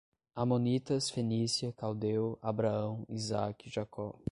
Amonitas, Fenícia, caldeu, Abraão, Isaac, Jacó